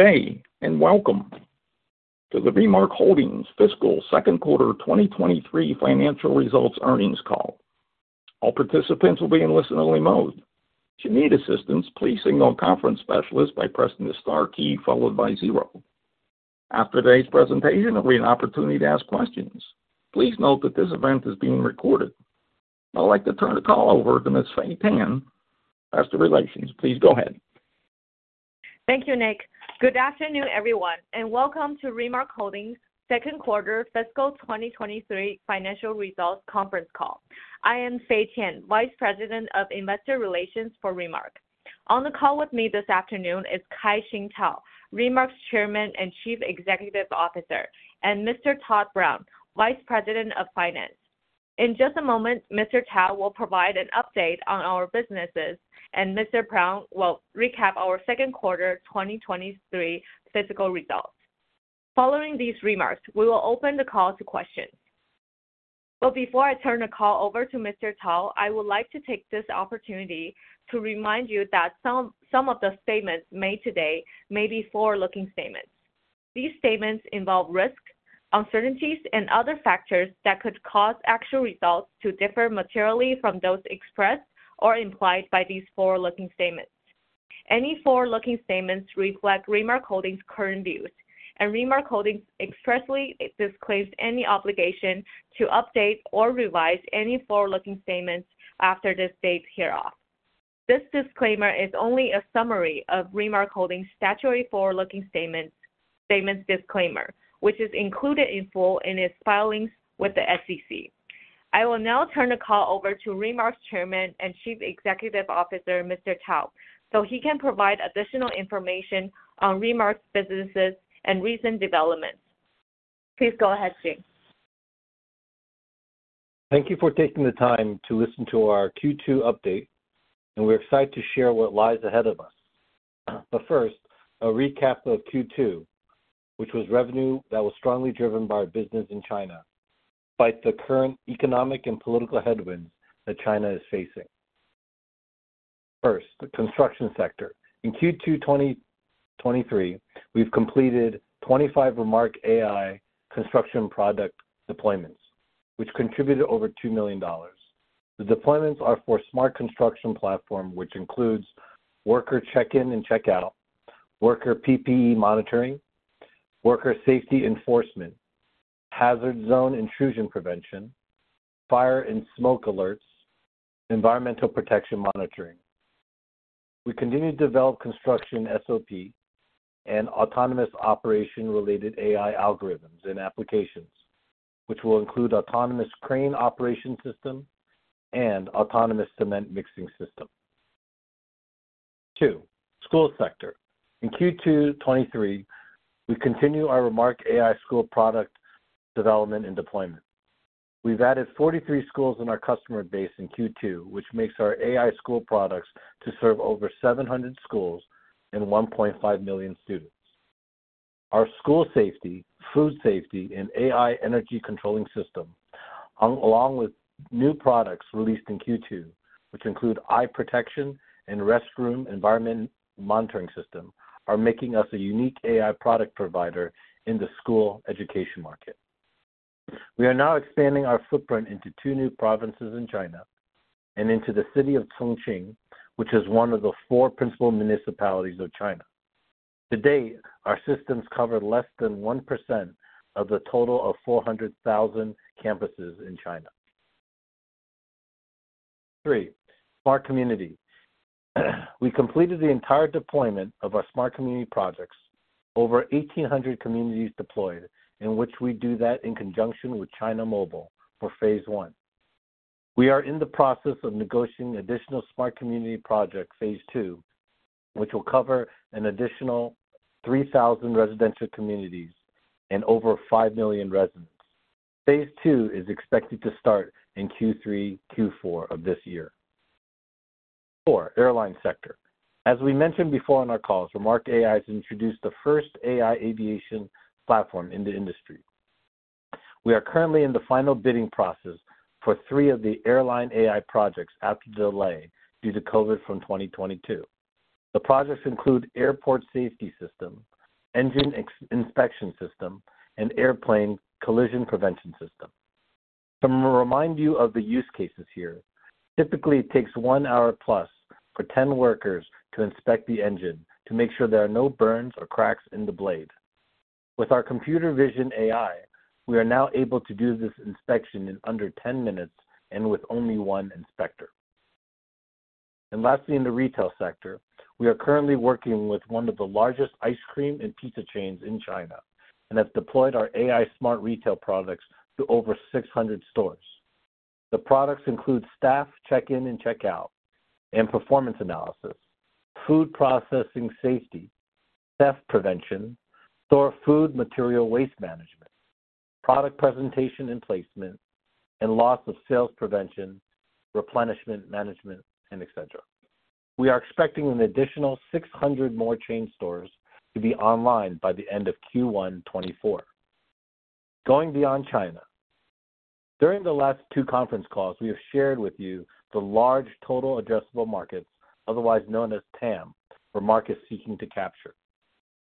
Good day, welcome to the Remark Holdings Fiscal Second Quarter 2023 financial results earnings call. All participants will be in listen-only mode. If you need assistance, please signal a conference specialist by pressing the star key followed by zero. After today's presentation, there will be an opportunity to ask questions. Please note that this event is being recorded. I'd like to turn the call over to Ms. Fay Tian, Investor Relations. Please go ahead. Thank you, Nick. Good afternoon, everyone, and welcome to Remark Holdings second quarter fiscal 2023 financial results conference call. I am Fay Tian, Vice President of Investor Relations for Remark. On the call with me this afternoon is Kai-Shing Tao, Remark's Chairman and Chief Executive Officer, and Mr. Todd Brown, Vice President of Finance. In just a moment, Mr. Tao will provide an update on our businesses, and Mr. Brown will recap our second quarter 2023 fiscal results. Following these remarks, we will open the call to questions. Before I turn the call over to Mr. Tao, I would like to take this opportunity to remind you that some of the statements made today may be forward-looking statements. These statements involve risks, uncertainties, and other factors that could cause actual results to differ materially from those expressed or implied by these forward-looking statements. Any forward-looking statements reflect Remark Holdings' current views, and Remark Holdings expressly disclaims any obligation to update or revise any forward-looking statements after this date hereof. This disclaimer is only a summary of Remark Holdings' statutory forward-looking statements, statements disclaimer, which is included in full in its filings with the SEC. I will now turn the call over to Remark's Chairman and Chief Executive Officer, Mr. Tao, so he can provide additional information on Remark's businesses and recent developments. Please go ahead, Shing. Thank you for taking the time to listen to our Q2 update, and we're excited to share what lies ahead of us. First, a recap of Q2, which was revenue that was strongly driven by our business in China, despite the current economic and political headwinds that China is facing. First, the construction sector. In Q2 2023, we've completed 25 Remark AI construction product deployments, which contributed over $2 million. The deployments are for Smart Construction platform, which includes worker check-in and check-out, worker PPE monitoring, worker safety enforcement, hazard zone intrusion prevention, fire and smoke alerts, environmental protection monitoring. We continue to develop construction SOP and autonomous operation-related AI algorithms and applications, which will include autonomous crane operation system and autonomous cement mixing system. 2, school sector. In Q2 2023, we continue our Remark AI school product development and deployment. We've added 43 schools in our customer base in Q2, which makes our AI school products to serve over 700 schools and 1.5 million students. Our school safety, food safety, and AI energy controlling system, along with new products released in Q2, which include eye protection and restroom environment monitoring system, are making us a unique AI product provider in the school education market. We are now expanding our footprint into two new provinces in China and into the city of Chongqing, which is one of the four principal municipalities of China. To date, our systems cover less than 1% of the total of 400,000 campuses in China. 3. Smart Community. We completed the entire deployment of our Smart Community projects. Over 1,800 communities deployed, in which we do that in conjunction with China Mobile for phase one. We are in the process of negotiating additional Smart Community projects, Phase 2, which will cover an additional 3,000 residential communities and over 5 million residents. Phase 2 is expected to start in Q3, Q4 of this year. 4, airline sector. As we mentioned before on our calls, Remark AI has introduced the first AI aviation platform in the industry. We are currently in the final bidding process for 3 of the airline AI projects after delay due to COVID from 2022. The projects include airport safety system, engine inspection system, and airplane collision prevention system. To remind you of the use cases here, typically it takes 1 hour+ for 10 workers to inspect the engine to make sure there are no burns or cracks in the blade. With our computer vision AI, we are now able to do this inspection in under 10 minutes and with only one inspector. Lastly, in the retail sector, we are currently working with one of the largest ice cream and pizza chains in China and have deployed our AI smart retail products to over 600 stores. The products include staff check-in and check-out and performance analysis, food processing safety, theft prevention, store food material waste management, product presentation and placement, and loss of sales prevention, replenishment management, and etcetera. We are expecting an additional 600 more chain stores to be online by the end of Q1 2024. Going beyond China. During the last two conference calls, we have shared with you the large total addressable markets, otherwise known as TAM, Remark is seeking to capture.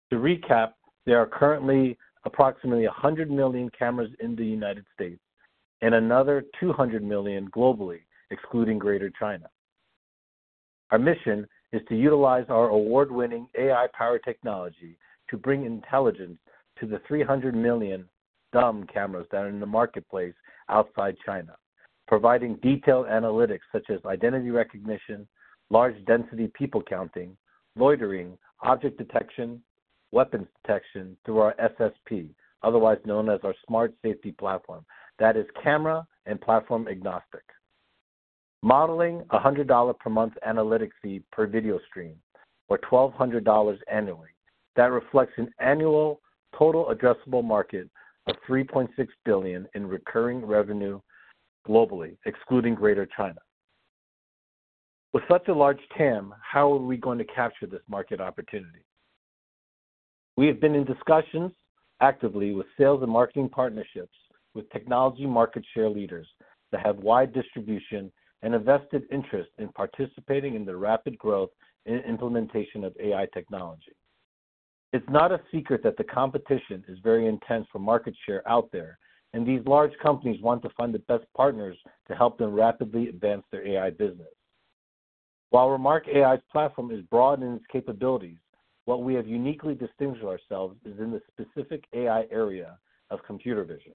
To recap, there are currently approximately 100 million cameras in the U.S. and another 200 million globally, excluding Greater China. Our mission is to utilize our award-winning AI-powered technology to bring intelligence to the 300 million dumb cameras that are in the marketplace outside China, providing detailed analytics such as identity recognition, large density people counting, loitering, object detection, weapons detection through our SSP, otherwise known as our Smart Safety Platform, that is camera and platform agnostic. Modeling a $100 per month analytics fee per video stream, or $1,200 annually, that reflects an annual total addressable market of $3.6 billion in recurring revenue globally, excluding Greater China. With such a large TAM, how are we going to capture this market opportunity? We have been in discussions actively with sales and marketing partnerships, with technology market share leaders that have wide distribution and a vested interest in participating in the rapid growth and implementation of AI technology. It's not a secret that the competition is very intense for market share out there, and these large companies want to find the best partners to help them rapidly advance their AI business. While Remark AI's platform is broad in its capabilities, what we have uniquely distinguished ourselves is in the specific AI area of computer vision.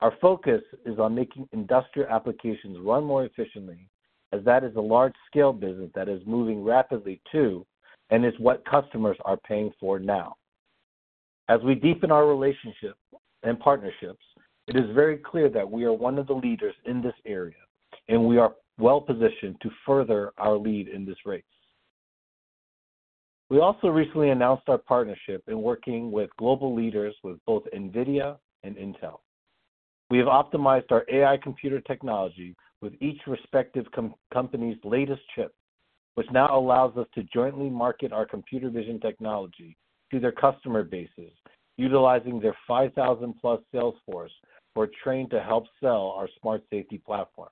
Our focus is on making industrial applications run more efficiently, as that is a large-scale business that is moving rapidly too, and is what customers are paying for now. As we deepen our relationship and partnerships, it is very clear that we are one of the leaders in this area, and we are well-positioned to further our lead in this race. We also recently announced our partnership in working with global leaders, with both NVIDIA and Intel. We have optimized our AI computer technology with each respective company's latest chip, which now allows us to jointly market our computer vision technology to their customer bases, utilizing their 5,000-plus sales force, who are trained to help sell our Smart Safety Platform.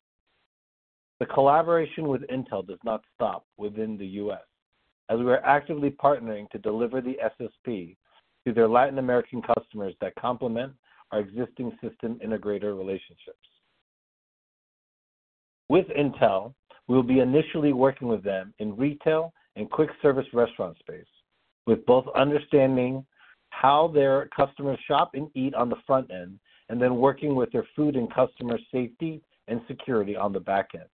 The collaboration with Intel does not stop within the US, as we are actively partnering to deliver the SSP to their Latin American customers that complement our existing system integrator relationships. With Intel, we'll be initially working with them in retail and quick service restaurant space, with both understanding how their customers shop and eat on the front end, and then working with their food and customer safety and security on the back end.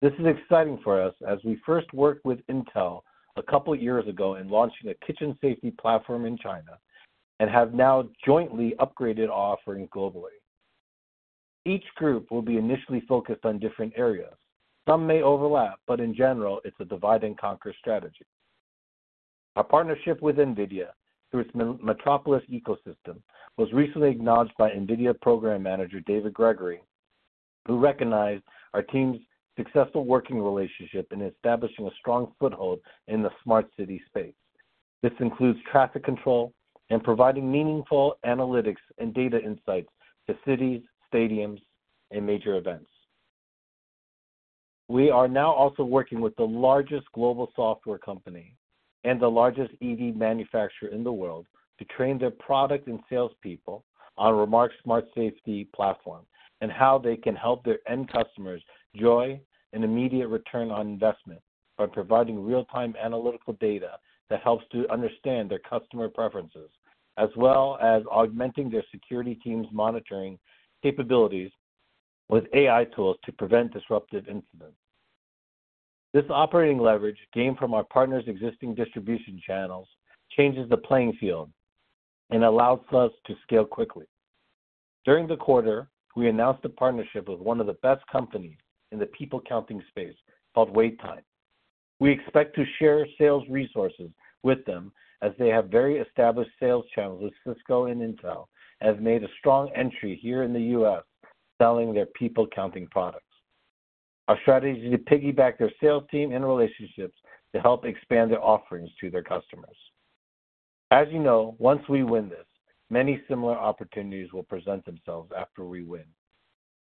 This is exciting for us as we first worked with Intel a couple of years ago in launching a kitchen safety platform in China, and have now jointly upgraded our offering globally. Each group will be initially focused on different areas. Some may overlap, but in general, it's a divide-and-conquer strategy. Our partnership with NVIDIA, through its Metropolis ecosystem, was recently acknowledged by NVIDIA Program Manager, David Gregory, who recognized our team's successful working relationship in establishing a strong foothold in the smart city space. This includes traffic control and providing meaningful analytics and data insights to cities, stadiums, and major events. We are now also working with the largest global software company and the largest EV manufacturer in the world to train their product and salespeople on Remark's Smart Safety Platform, and how they can help their end customers enjoy an immediate return on investment by providing real-time analytical data that helps to understand their customer preferences, as well as augmenting their security team's monitoring capabilities with AI tools to prevent disruptive incidents. This operating leverage gained from our partners' existing distribution channels, changes the playing field and allows us to scale quickly. During the quarter, we announced a partnership with one of the best companies in the people counting space called WaitTime. We expect to share sales resources with them, as they have very established sales channels with Cisco and Intel, and have made a strong entry here in the US, selling their people counting products. Our strategy is to piggyback their sales team and relationships to help expand their offerings to their customers. As you know, once we win this, many similar opportunities will present themselves after we win.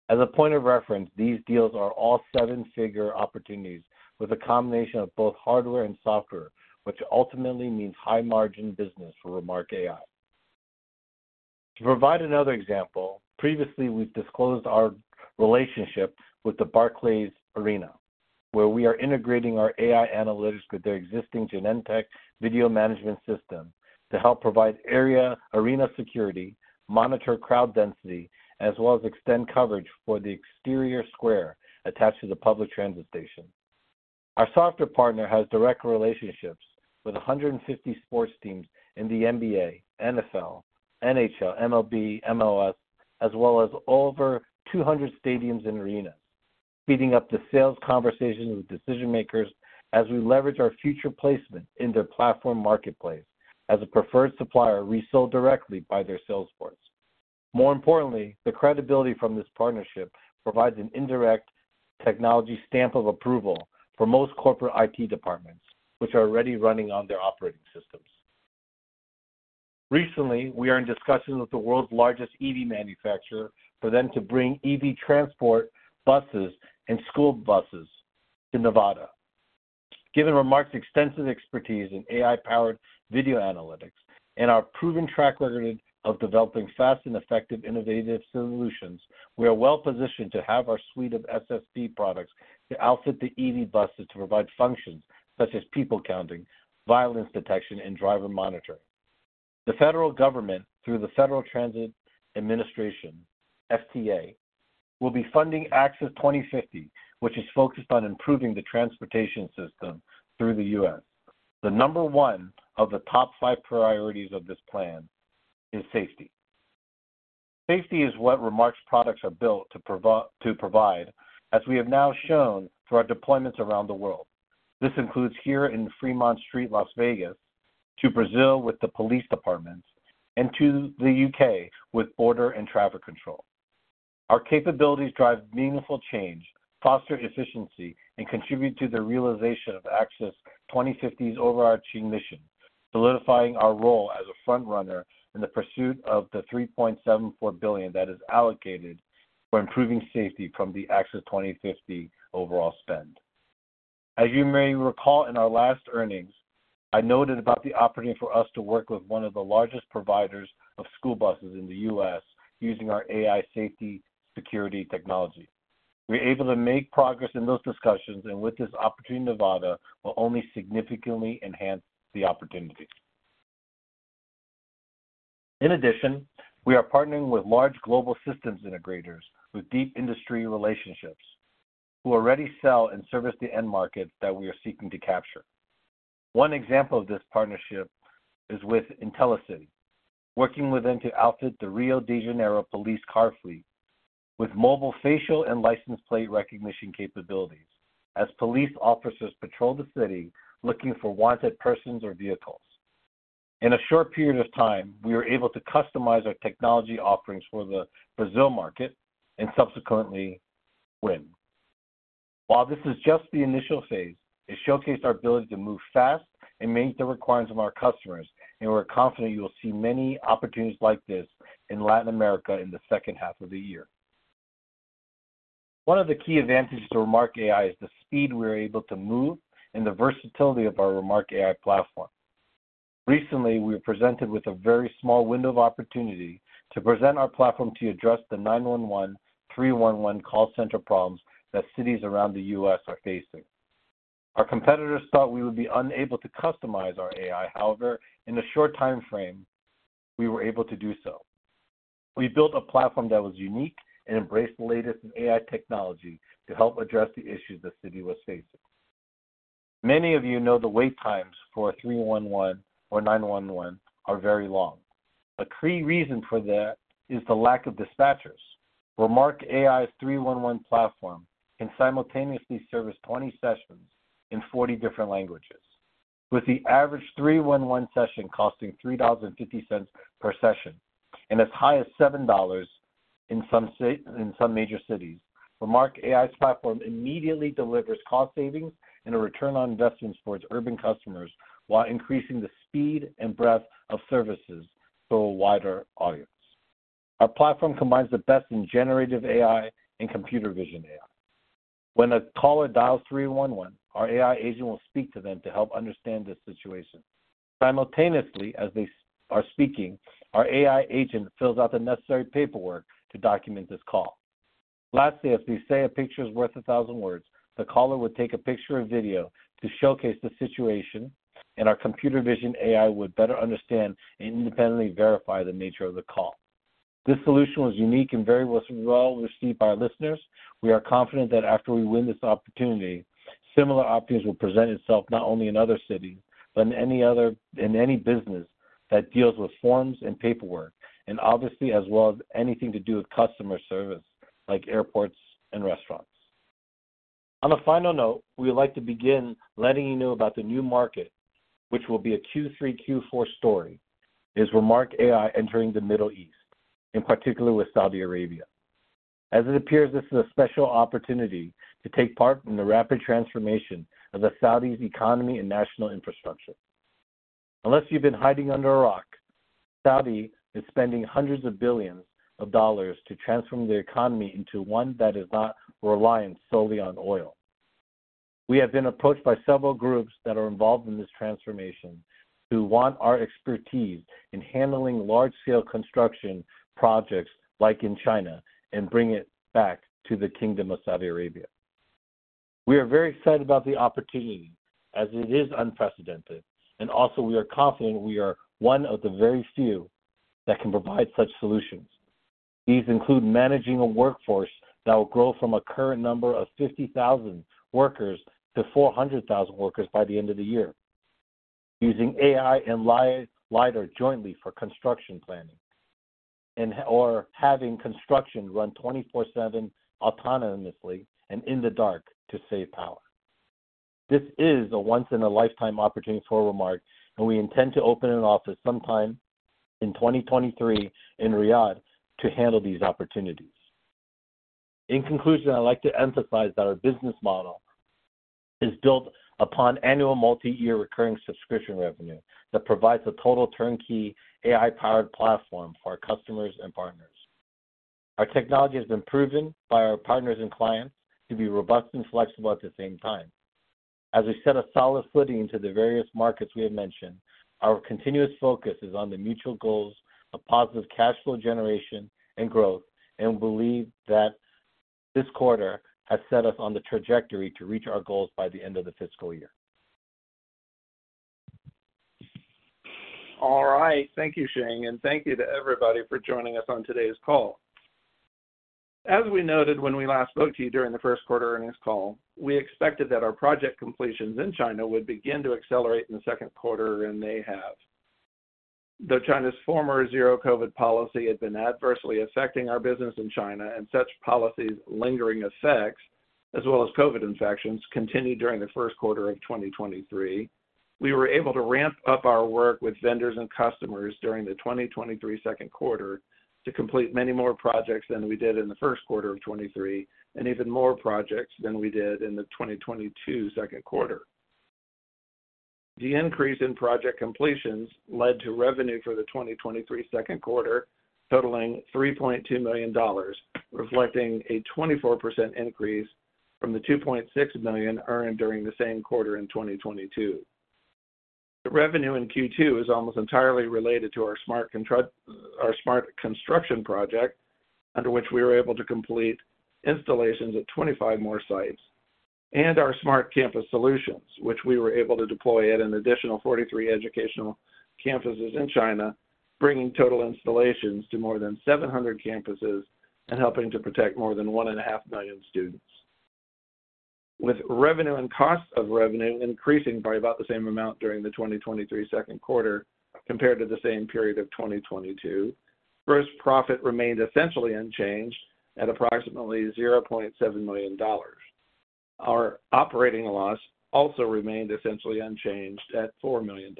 As a point of reference, these deals are all 7-figure opportunities with a combination of both hardware and software, which ultimately means high-margin business for Remark AI. To provide another example, previously, we've disclosed our relationship with the Barclays Center, where we are integrating our AI analytics with their existing Genetec video management system to help provide arena security, monitor crowd density, as well as extend coverage for the exterior square attached to the public transit station. Our software partner has direct relationships with 150 sports teams in the NBA, NFL, NHL, MLB, MLS, as well as over 200 stadiums and arenas, speeding up the sales conversation with decision-makers as we leverage our future placement in their platform marketplace as a preferred supplier, resold directly by their sales force. More importantly, the credibility from this partnership provides an indirect technology stamp of approval for most corporate IT departments, which are already running on their operating systems. Recently, we are in discussions with the world's largest EV manufacturer for them to bring EV transport buses and school buses to Nevada. Given Remark's extensive expertise in AI-powered video analytics and our proven track record of developing fast and effective innovative solutions, we are well-positioned to have our suite of SSP products to outfit the EV buses to provide functions such as people counting, violence detection, and driver monitoring. The federal government, through the Federal Transit Administration, FTA, will be funding Access 2050, which is focused on improving the transportation system through the US. The number 1 of the top 5 priorities of this plan is safety. Safety is what Remark's products are built to provide, as we have now shown through our deployments around the world. This includes here in Fremont Street, Las Vegas, to Brazil with the police departments, and to the UK with border and traffic control. Our capabilities drive meaningful change, foster efficiency, and contribute to the realization of Access 2050's overarching mission, solidifying our role as a frontrunner in the pursuit of the $3.74 billion that is allocated for improving safety from the Access 2050 overall spend. As you may recall, in our last earnings, I noted about the opportunity for us to work with one of the largest providers of school buses in the U.S. using our AI safety security technology. We're able to make progress in those discussions, and with this opportunity, Nevada will only significantly enhance the opportunity. In addition, we are partnering with large global systems integrators with deep industry relationships who already sell and service the end markets that we are seeking to capture. One example of this partnership is with Intelbras, working with them to outfit the Rio de Janeiro police car fleet with mobile facial and license plate recognition capabilities as police officers patrol the city looking for wanted persons or vehicles. In a short period of time, we were able to customize our technology offerings for the Brazil market and subsequently win. While this is just the initial phase, it showcased our ability to move fast and meet the requirements of our customers, and we're confident you will see many opportunities like this in Latin America in the second half of the year. One of the key advantages to Remark AI is the speed we're able to move and the versatility of our Remark AI platform. Recently, we were presented with a very small window of opportunity to present our platform to address the 911, 311 call center problems that cities around the U.S. are facing. Our competitors thought we would be unable to customize our AI. However, in a short time frame, we were able to do so. We built a platform that was unique and embraced the latest in AI technology to help address the issues the city was facing. Many of you know the wait times for 311 or 911 are very long. A key reason for that is the lack of dispatchers. Remark AI's 311 platform can simultaneously service 20 sessions in 40 different languages, with the average 311 session costing $3.50 per session and as high as $7 in some major cities. Remark AI's platform immediately delivers cost savings and a return on investment for its urban customers while increasing the speed and breadth of services to a wider audience. Our platform combines the best in generative AI and computer vision AI. When a caller dials 311, our AI agent will speak to them to help understand the situation. Simultaneously, as they are speaking, our AI agent fills out the necessary paperwork to document this call. Lastly, as we say, a picture is worth 1,000 words, the caller would take a picture or video to showcase the situation. Our computer vision AI would better understand and independently verify the nature of the call. This solution was unique and very well-received by our listeners. We are confident that after we win this opportunity, similar opportunities will present itself not only in other cities, but in any other business that deals with forms and paperwork, and obviously, as well as anything to do with customer service, like airports and restaurants. On a final note, we would like to begin letting you know about the new market, which will be a Q3, Q4 story, is Remark AI entering the Middle East, in particular with Saudi Arabia. As it appears, this is a special opportunity to take part in the rapid transformation of the Saudi's economy and national infrastructure. Unless you've been hiding under a rock, Saudi is spending hundreds of billions of dollars to transform their economy into one that is not reliant solely on oil. We have been approached by several groups that are involved in this transformation who want our expertise in handling large-scale construction projects like in China and bring it back to the Kingdom of Saudi Arabia. Also we are confident we are one of the very few that can provide such solutions. These include managing a workforce that will grow from a current number of 50,000 workers to 400,000 workers by the end of the year, using AI and LiDAR jointly for construction planning, and, or having construction run 24/7 autonomously and in the dark to save power. This is a once-in-a-lifetime opportunity for Remark. We intend to open an office sometime in 2023 in Riyadh to handle these opportunities. In conclusion, I'd like to emphasize that our business model is built upon annual multi-year recurring subscription revenue that provides a total turnkey AI-powered platform for our customers and partners. Our technology has been proven by our partners and clients to be robust and flexible at the same time. As we set a solid footing into the various markets we have mentioned, our continuous focus is on the mutual goals of positive cash flow generation and growth, and we believe that this quarter has set us on the trajectory to reach our goals by the end of the fiscal year. All right. Thank you, Shing, and thank you to everybody for joining us on today's call. As we noted when we last spoke to you during the first quarter earnings call, we expected that our project completions in China would begin to accelerate in the second quarter, and they have. Though China's former zero-COVID policy had been adversely affecting our business in China and such policies' lingering effects, as well as COVID infections, continued during the first quarter of 2023, we were able to ramp up our work with vendors and customers during the 2023 second quarter to complete many more projects than we did in the first quarter of 2023, and even more projects than we did in the 2022 second quarter. The increase in project completions led to revenue for the 2023 second quarter totaling $3.2 million, reflecting a 24% increase from the $2.6 million earned during the same quarter in 2022. The revenue in Q2 is almost entirely related to our Smart Construction project, under which we were able to complete installations at 25 more sites, and our Smart Campus solutions, which we were able to deploy at an additional 43 educational campuses in China, bringing total installations to more than 700 campuses and helping to protect more than 1.5 million students. With revenue and cost of revenue increasing by about the same amount during the 2023 second quarter compared to the same period of 2022, gross profit remained essentially unchanged at approximately $0.7 million. Our operating loss also remained essentially unchanged at $4 million.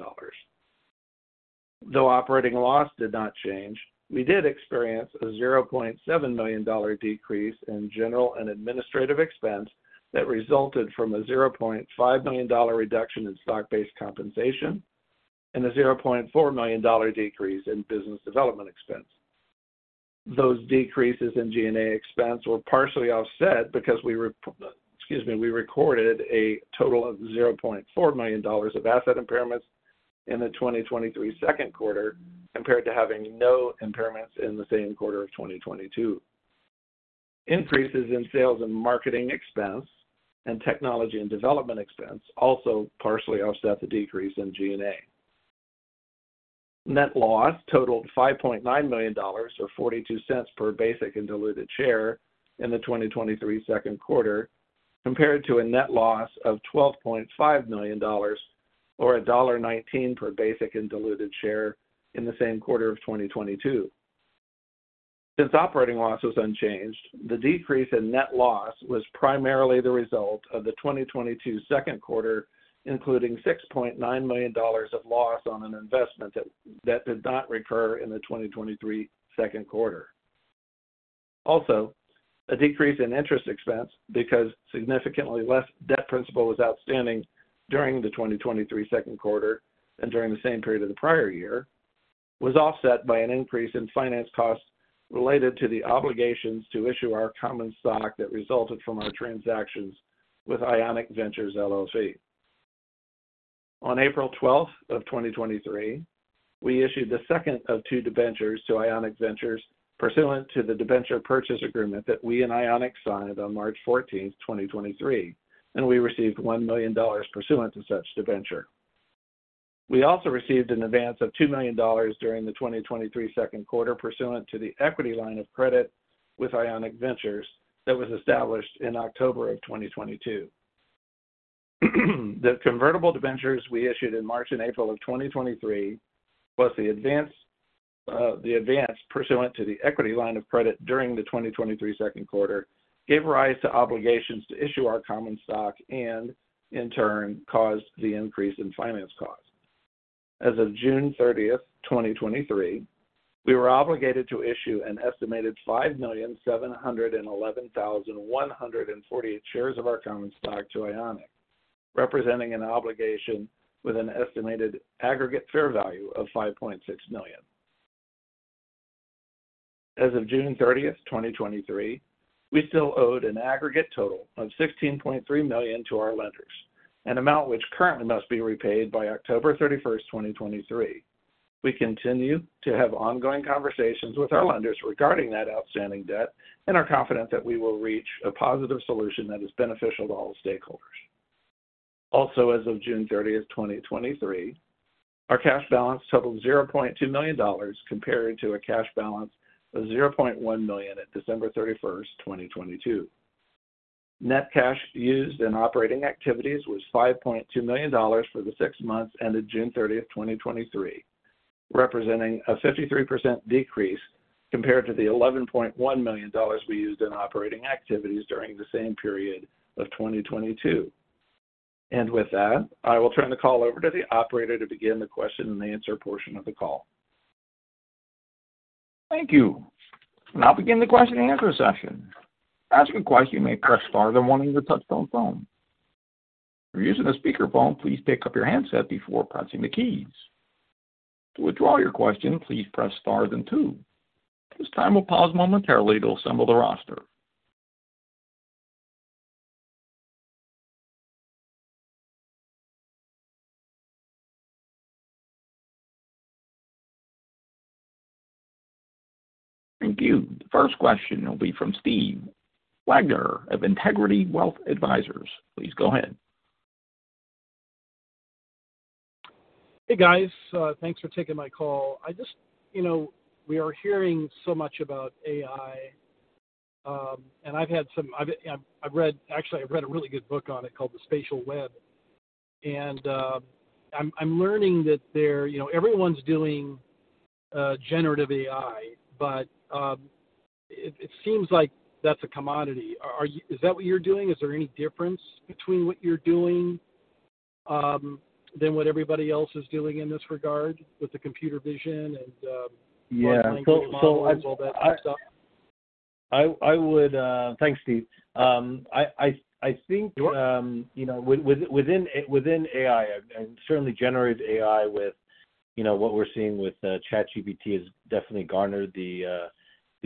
Though operating loss did not change, we did experience a $0.7 million decrease in general and administrative expense that resulted from a $0.5 million reduction in stock-based compensation and a $0.4 million decrease in business development expense. Those decreases in G&A expense were partially offset because we were, excuse me, we recorded a total of $0.4 million of asset impairments in the 2023 second quarter, compared to having no impairments in the same quarter of 2022. Increases in sales and marketing expense and technology and development expense also partially offset the decrease in G&A. Net loss totaled $5.9 million, or $0.42 per basic and diluted share in the 2023 second quarter, compared to a net loss of $12.5 million, or $1.19 per basic and diluted share in the same quarter of 2022. Since operating loss was unchanged, the decrease in net loss was primarily the result of the 2022 second quarter, including $6.9 million of loss on an investment that did not recur in the 2023 second quarter. Also, a decrease in interest expense because significantly less debt principal was outstanding during the 2023 second quarter than during the same period of the prior year, was offset by an increase in finance costs related to the obligations to issue our common stock that resulted from our transactions with Ionic Ventures, LLC. On April 12th, 2023, we issued the second of two debentures to Ionic Ventures pursuant to the debenture purchase agreement that we and Ionic signed on March 14th, 2023, and we received $1 million pursuant to such debenture. We also received an advance of $2 million during the 2023 second quarter, pursuant to the equity line of credit with Ionic Ventures that was established in October 2022. The convertible debentures we issued in March and April 2023, plus the advance, the advance pursuant to the equity line of credit during the 2023 second quarter, gave rise to obligations to issue our common stock and in turn, caused the increase in finance costs. As of June 30, 2023, we were obligated to issue an estimated 5,711,148 shares of our common stock to Ionic, representing an obligation with an estimated aggregate fair value of $5.6 million. As of June 30, 2023, we still owed an aggregate total of $16.3 million to our lenders, an amount which currently must be repaid by October 31, 2023. We continue to have ongoing conversations with our lenders regarding that outstanding debt and are confident that we will reach a positive solution that is beneficial to all stakeholders. As of June 30, 2023, our cash balance totaled $0.2 million, compared to a cash balance of $0.1 million at December 31, 2022. Net cash used in operating activities was $5.2 million for the six months ended June 30, 2023, representing a 53% decrease compared to the $11.1 million we used in operating activities during the same period of 2022. With that, I will turn the call over to the operator to begin the question and answer portion of the call. Thank you. Now begin the question and answer session. To ask a question, you may press *, then 1 on your touchtone phone. If you're using a speakerphone, please pick up your handset before pressing the keys. To withdraw your question, please press * then 2. At this time, we'll pause momentarily to assemble the roster. Thank you. The first question will be from Steve Wagner of Integrity Wealth Advisors. Please go ahead. Hey, guys. thanks for taking my call. You know, we are hearing so much about AI. I've read, actually, I've read a really good book on it called The Spatial Web. I'm, I'm learning that there, you know, everyone's doing generative AI, but it, it seems like that's a commodity. Is that what you're doing? Is there any difference between what you're doing than what everybody else is doing in this regard with the computer vision and? Large language models, all that stuff? I, I would. Thanks, Steve. I, I, I think- Sure. You know, within, within AI, and certainly generative AI with, you know, what we're seeing with ChatGPT has definitely garnered the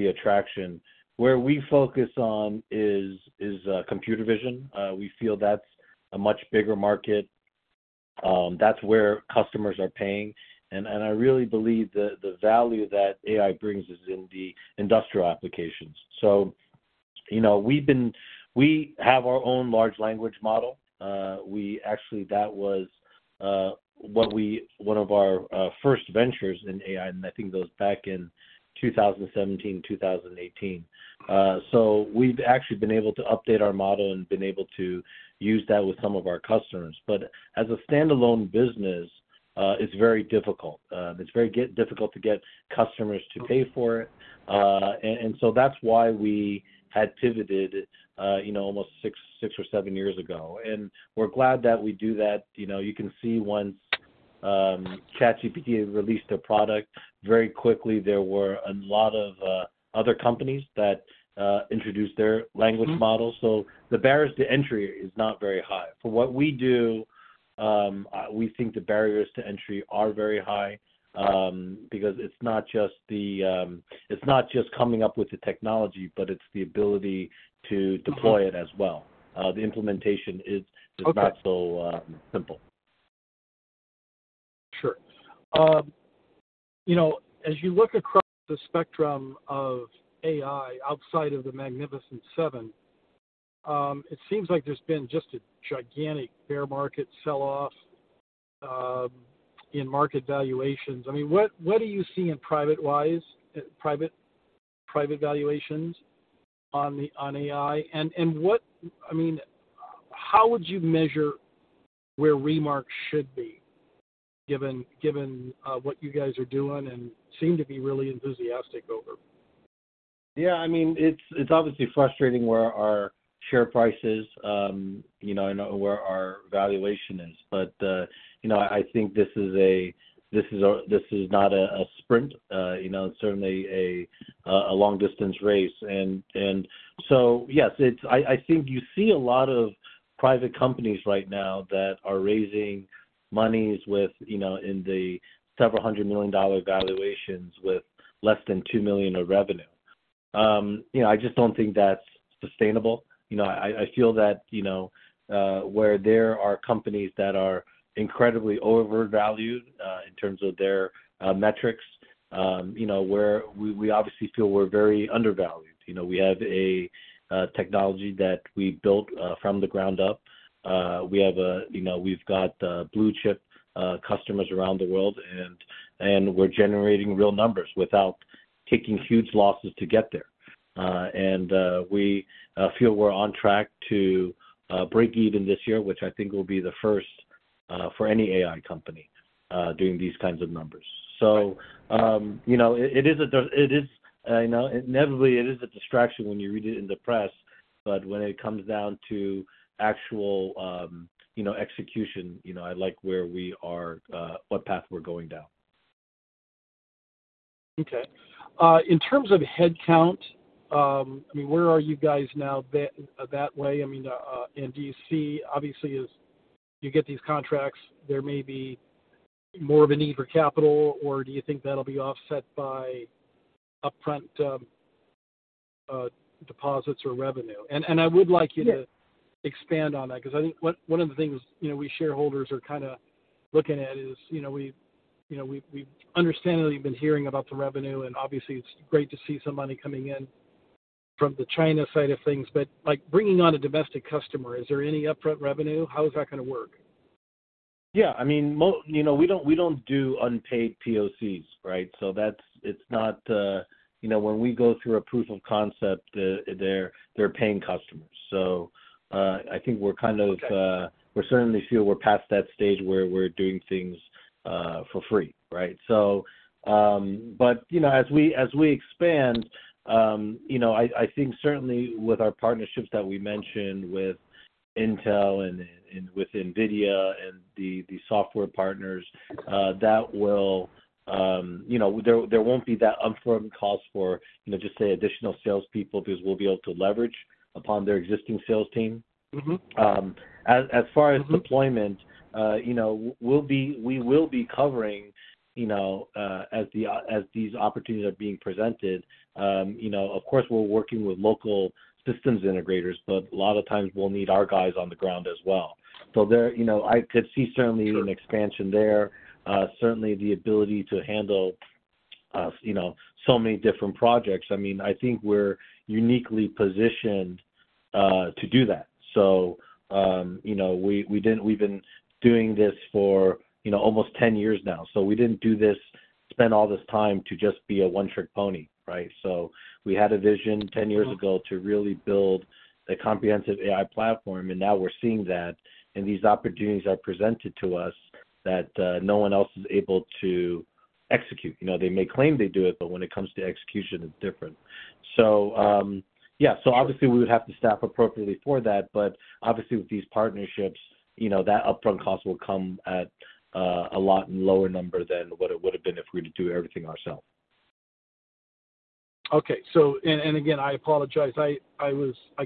attraction. Where we focus on is, is computer vision. We feel that's a much bigger market. That's where customers are paying, and, and I really believe that the value that AI brings is in the industrial applications. You know, we have our own large language model. We actually, that was, one of our first ventures in AI, and I think goes back in 2017, 2018. We've actually been able to update our model and been able to use that with some of our customers. As a standalone business, it's very difficult. It's very difficult to get customers to pay for it. And so that's why we had pivoted, you know, almost six, six or seven years ago. We're glad that we do that. You know, you can see once, ChatGPT released a product very quickly, there were a lot of, other companies that, introduced their language model. The barriers to entry is not very high. For what we do, we think the barriers to entry are very high, because it's not just the, it's not just coming up with the technology, but it's the ability to deploy it as well. Okay. The implementation is Okay not so simple. Sure. You know, as you look across the spectrum of AI, outside of the Magnificent Seven, it seems like there's been just a gigantic bear market sell-off, in market valuations. I mean, what, what do you see in private wise, private, private valuations on the, on AI? What... I mean, how would you measure where Remark should be, given, given, what you guys are doing and seem to be really enthusiastic over?, I mean, it's, it's obviously frustrating where our share price is, you know, and where our valuation is. You know, I think this is a, this is a, this is not a, a sprint, you know, it's certainly a, a long-distance race. Yes, it's, I, I think you see a lot of private companies right now that are raising monies with, you know, in the $several hundred million valuations with less than $2 million of revenue. You know, I just don't think that's sustainable. You know, I, I feel that, you know, where there are companies that are incredibly overvalued, in terms of their, metrics, you know, where we, we obviously feel we're very undervalued. You know, we have a, technology that we built, from the ground up. We have a, you know, we've got blue-chip customers around the world, and, and we're generating real numbers without taking huge losses to get there. We feel we're on track to break even this year, which I think will be the first for any AI company doing these kinds of numbers. You know, it is, you know, inevitably, it is a distraction when you read it in the press, but when it comes down to actual, you know, execution, you know, I like where we are, what path we're going down. Okay. In terms of headcount, I mean, where are you guys now that, that way? I mean, do you see, obviously, as you get these contracts, there may be more of a need for capital, or do you think that'll be offset by upfront, deposits or revenue? And I would like you to expand on that, 'cause I think one, one of the things, you know, we shareholders are kinda looking at is, you know, we, you know, we've, we've understandably been hearing about the revenue, and obviously, it's great to see some money coming in from the China side of things. Like, bringing on a domestic customer, is there any upfront revenue? How is that going to work?, I mean, you know, we don't, we don't do unpaid POCs, right? That's, it's not, you know, when we go through a proof of concept, they're paying customers. I think we're kind of, we certainly feel we're past that stage where we're doing things for free, right? You know, as we, as we expand, you know, I, I think certainly with our partnerships that we mentioned with Intel and with NVIDIA and the software partners, that will, you know, there, there won't be that upfront cost for, you know, just say additional salespeople, because we'll be able to leverage upon their existing sales team. As, as far as deployment, you know, we will be covering, you know, as the, as these opportunities are being presented, you know, of course, we're working with local systems integrators, but a lot of times we'll need our guys on the ground as well. There, you know, I could see certainly an expansion there, certainly the ability to handle, you know, so many different projects. I mean, I think we're uniquely positioned to do that. You know, we've been doing this for, you know, almost 10 years now. We didn't do this, spend all this time to just be a one-trick pony, right? We had a vision 10 years ago to really build a comprehensive AI platform, and now we're seeing that, and these opportunities are presented to us that no one else is able to execute. You know, they may claim they do it, but when it comes to execution, it's different., obviously, we would have to staff appropriately for that, but obviously, with these partnerships, you know, that upfront cost will come at a lot lower number than what it would have been if we were to do everything ourselves. Again, I apologize. I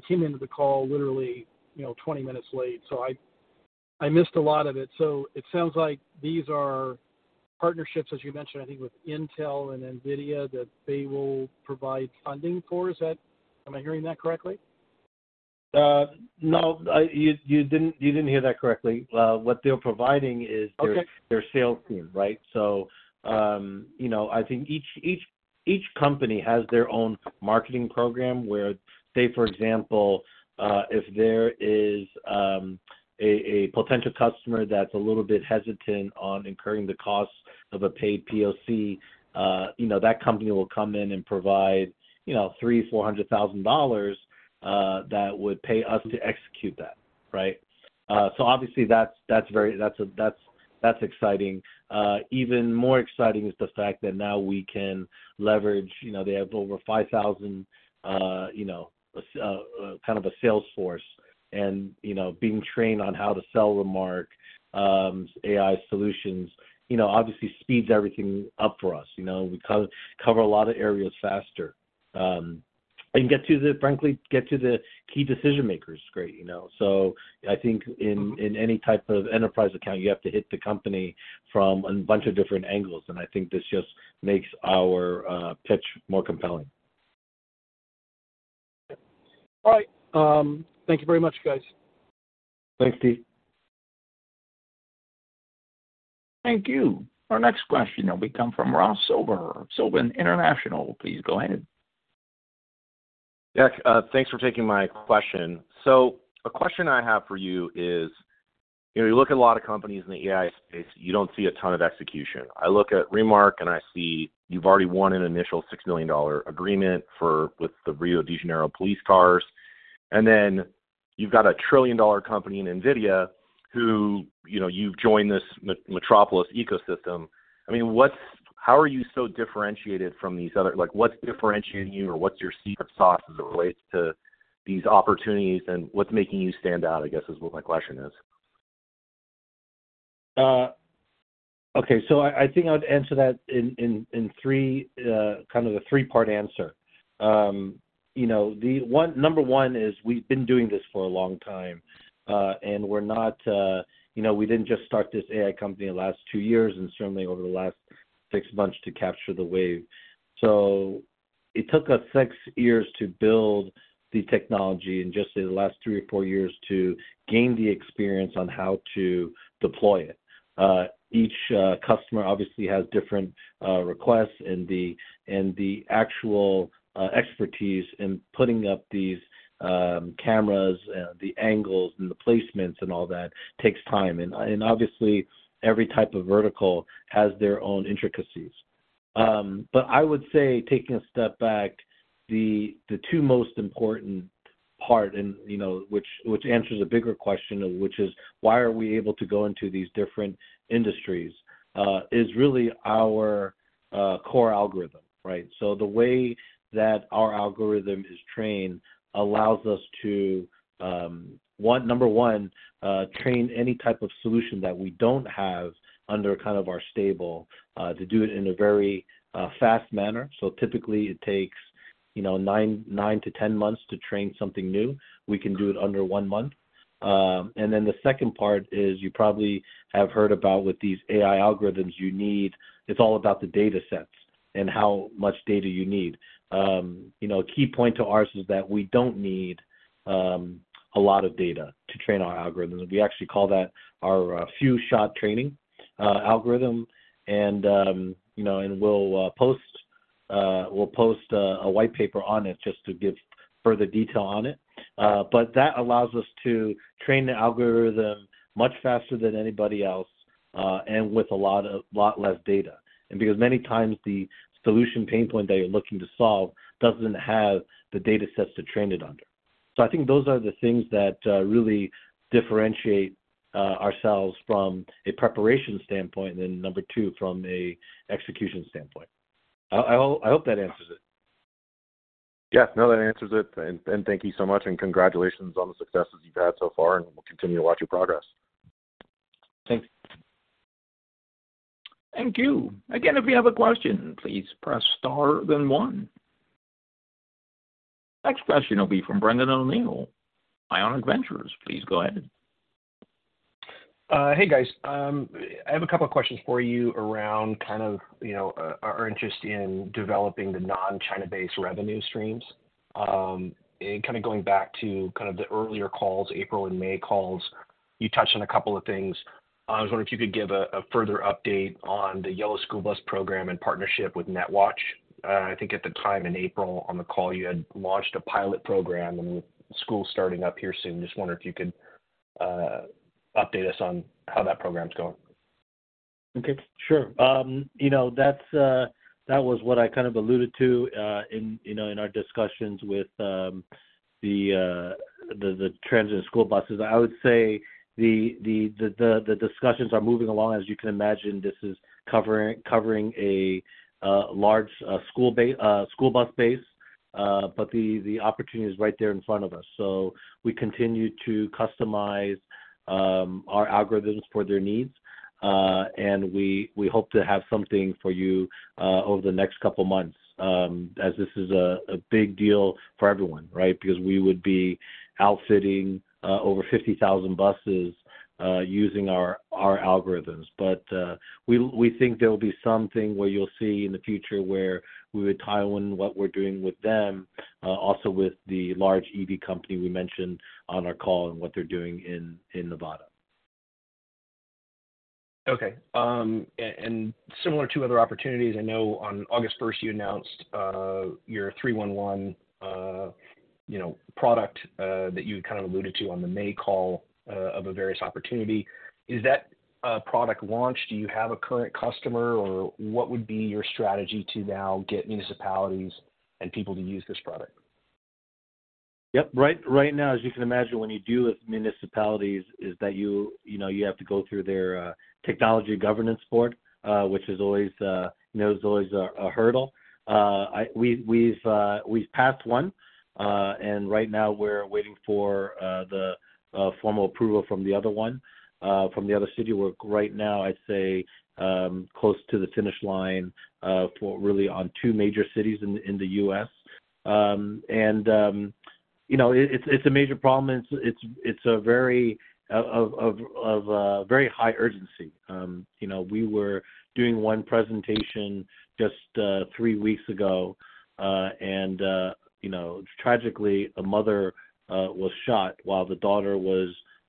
came into the call literally, you know, 20 minutes late, so I, I missed a lot of it. It sounds like these are partnerships, as you mentioned, I think with Intel and NVIDIA, that they will provide funding for. Am I hearing that correctly? No, you, you didn't, you didn't hear that correctly. What they're providing is- Okay... their sales team, right? You know, I think each, each, each company has their own marketing program, where, say, for example, if there is a potential customer that's a little bit hesitant on incurring the costs of a paid POC, you know, that company will come in and provide, you know, $300,000-$400,000 that would pay us to execute that, right? Obviously, that's, that's very, that's, that's, that's exciting. Even more exciting is the fact that now we can leverage, you know, they have over 5,000, you know, kind of a sales force and, you know, being trained on how to sell Remark AI solutions, you know, obviously speeds everything up for us. You know, we co-cover a lot of areas faster, and get to the, frankly, get to the key decision-makers great, you know. I think in, in any type of enterprise account, you have to hit the company from a bunch of different angles, and I think this just makes our pitch more compelling. All right. Thank you very much, guys. Thanks, Steve. Thank you. Our next question will be coming from Ross Silver of Sylva International. Please, go ahead., thanks for taking my question. A question I have for you is, you know, you look at a lot of companies in the AI space, you don't see a ton of execution. I look at Remark, and I see you've already won an initial $6 million agreement for, with the Rio de Janeiro police cars. Then you've got a $1 trillion company in NVIDIA who, you know, you've joined this Metropolis ecosystem. I mean, how are you so differentiated from these other, like, what's differentiating you, or what's your secret sauce as it relates to these opportunities, and what's making you stand out, I guess, is what my question is? Okay, I think I would answer that in 3, kind of a 3-part answer. You know, number 1 is we've been doing this for a long time, and we're not, you know, we didn't just start this AI company in the last 2 years, and certainly over the last 6 months to capture the wave. It took us 6 years to build the technology and just in the last 3 or 4 years to gain the experience on how to deploy it. Each customer obviously has different requests, and the actual expertise in putting up these cameras, the angles and the placements and all that takes time. Obviously, every type of vertical has their own intricacies. I would say, taking a step back, the, the 2 most important part and, you know, which, which answers a bigger question, which is why are we able to go into these different industries, is really our core algorithm, right? The way that our algorithm is trained allows us to, 1, number 1, train any type of solution that we don't have under kind of our stable, to do it in a very fast manner. Typically, it takes, you know, 9-10 months to train something new. We can do it under 1 month. The second part is you probably have heard about with these AI algorithms you need, it's all about the datasets and how much data you need. You know, a key point to ours is that we don't need a lot of data to train our algorithms. We actually call that our few-shot training algorithm. You know, and we'll post a white paper on it just to give further detail on it. That allows us to train the algorithm much faster than anybody else and with a lot of-- a lot less data. Because many times the solution pain point that you're looking to solve doesn't have the data sets to train it under. I think those are the things that really differentiate ourselves from a preparation standpoint, and then number two, from a execution standpoint. I hope, I hope that answers it. Yes. No, that answers it. Thank you so much, and congratulations on the successes you've had so far, and we'll continue to watch your progress. Thanks. Thank you. Again, if you have a question, please press Star then One. Next question will be from Brendan O'Neill of Ionic Ventures. Please go ahead. Hey, guys. I have a couple of questions for you around kind of, you know, our interest in developing the non-China-based revenue streams. Kind of going back to kind of the earlier calls, April and May calls, you touched on a couple of things. I was wondering if you could give a further update on the Yellow School Bus program in partnership with Netwatch. I think at the time in April, on the call, you had launched a pilot program, and with school starting up here soon, just wondering if you could update us on how that program is going. Okay, sure. You know, that was what I kind of alluded to, in, you know, in our discussions with, the, the, the transit school buses. I would say the, the, the, the, the discussions are moving along. As you can imagine, this is covering, covering a large school bus base, but the opportunity is right there in front of us. We continue to customize our algorithms for their needs, and we, we hope to have something for you over the next couple of months, as this is a big deal for everyone, right? Because we would be outfitting over 50,000 buses, using our, our algorithms. We, we think there will be something where you'll see in the future where we would tie in what we're doing with them, also with the large EV company we mentioned on our call and what they're doing in, in Nevada. Okay. Similar to other opportunities, I know on August 1, you announced your 311, you know, product that you kind of alluded to on the May call of a various opportunity. Is that product launched? Do you have a current customer, or what would be your strategy to now get municipalities and people to use this product? Yep. Right, right now, as you can imagine, when you deal with municipalities, is that you, you know, you have to go through their technology governance board, which is always, you know, is always a hurdle. We've, we've, we've passed one. Right now we're waiting for the formal approval from the other one, from the other city, where right now, I'd say, close to the finish line for really on two major cities in the U.S. You know, it, it's a major problem, and it's, it's a very, of, a very high urgency. You know, we were doing one presentation just three weeks ago, and you know, tragically, a mother was shot while the daughter was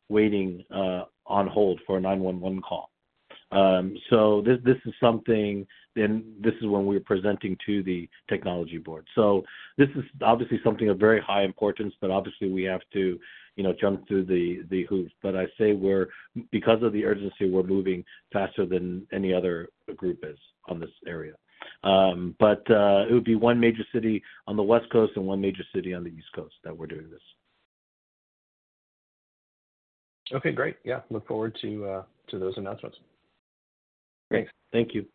waiting on hold for a 911 call. This, this is something, then, this is when we're presenting to the technology board. This is obviously something of very high importance, but obviously we have to, you know, jump through the, the hoops. I say we're-- because of the urgency, we're moving faster than any other group is on this area. It would be one major city on the West Coast and one major city on the East Coast that we're doing this. Okay, great.. Look forward to, to those announcements. Great. Thank you.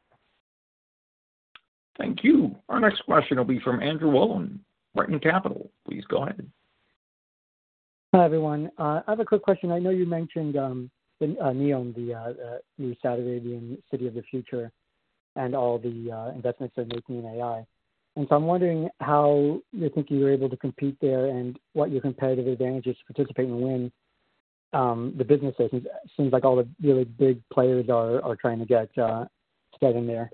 Thank you. Our next question will be from Jeff Wolin of Brighton Capital. Please go ahead. Hi, everyone. I have a quick question. I know you mentioned, Neom, the, the new Saudi Arabian city of the future and all the, investments they're making in AI. I'm wondering how you think you're able to compete there and what your competitive advantage is to participate and win, the business there. It seems like all the really big players are, are trying to get, stuck in there.,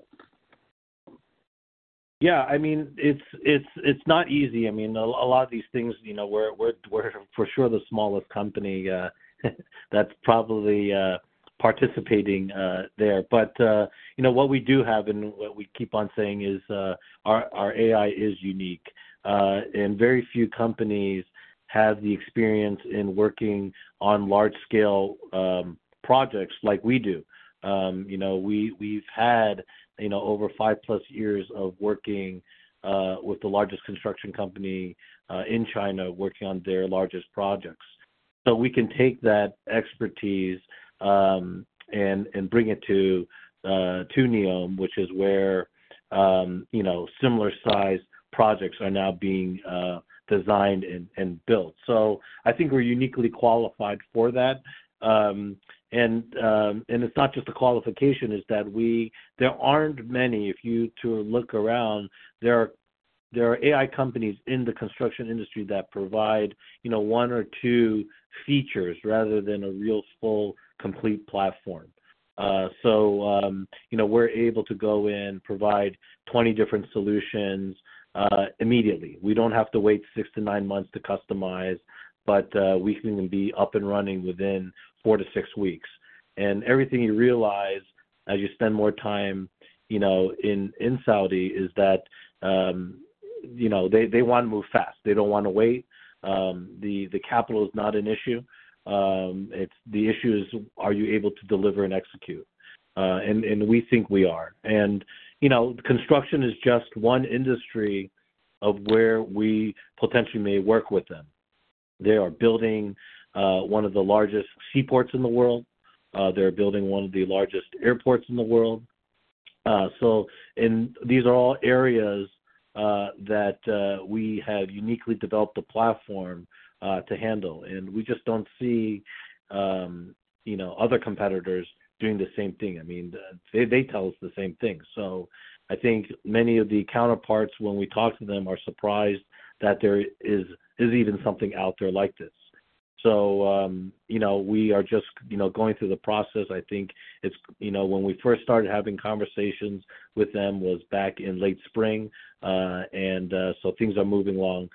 I mean, it's, it's, it's not easy. I mean, a lot of these things, you know, we're, we're, we're for sure the smallest company that's probably participating there. You know, what we do have and what we keep on saying is our AI is unique and very few companies have the experience in working on large-scale projects like we do. You know, we, we've had, you know, over 5-plus years of working with the largest construction company in China, working on their largest projects. We can take that expertise and bring it to Neom, which is where, you know, similar-sized projects are now being designed and built. I think we're uniquely qualified for that. It's not just the qualification, it's that we-- there aren't many, if you to look around, there are, there are AI companies in the construction industry that provide, you know, one or two features rather than a real, full, complete platform. You know, we're able to go in, provide 20 different solutions immediately. We don't have to wait six to nine months to customize, but we can be up and running within four to six weeks. Everything you realize as you spend more time, you know, in, in Saudi, is that, you know, they, they want to move fast. They don't want to wait. The capital is not an issue. It's-- the issue is, are you able to deliver and execute? We think we are. You know, construction is just one industry of where we potentially may work with them. They are building one of the largest seaports in the world. They're building one of the largest airports in the world. These are all areas that we have uniquely developed a platform to handle, and we just don't see, you know, other competitors doing the same thing. I mean, they, they tell us the same thing. I think many of the counterparts, when we talk to them, are surprised that there is, is even something out there like this. You know, we are just, you know, going through the process. I think it's, you know, when we first started having conversations with them was back in late spring. Things are moving along,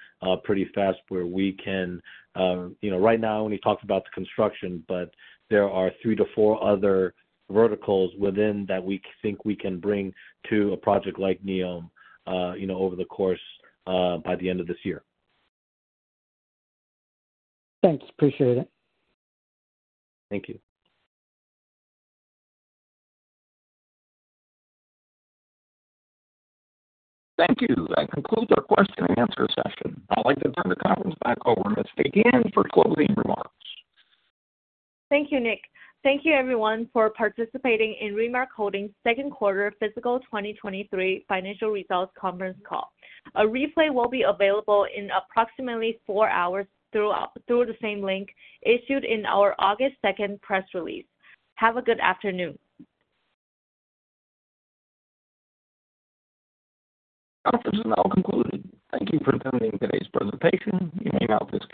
pretty fast where we can. You know, right now, when he talks about the construction, but there are 3-4 other verticals within that we think we can bring to a project like Neom, you know, over the course, by the end of this year. Thanks. Appreciate it. Thank you. Thank you. That concludes our question and answer session. I'd like to turn the conference back over to Miss Tian for closing remarks. Thank you, Nick. Thank you everyone for participating in Remark Holdings second quarter fiscal 2023 financial results conference call. A replay will be available in approximately 4 hours through the same link issued in our August second press release. Have a good afternoon. The conference is now concluded. Thank you for attending today's presentation. You may now disconnect.